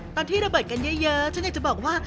ตอนที่ระเบิดกันเยอะฉันอยากจะบอกว่า